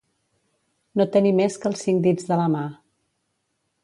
No tenir més que els cinc dits de la mà.